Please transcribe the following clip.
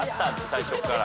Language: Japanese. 最初っから。